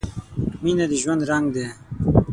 • مینه د ژوند رنګ دی.